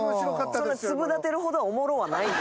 そんな粒立てるほどおもろはない。